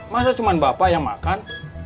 masa cuma bapak yang makan